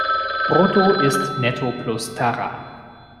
Brutto ist Netto plus Tara.